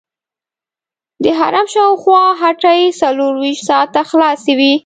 د حرم شاوخوا هټۍ څلورویشت ساعته خلاصې وي.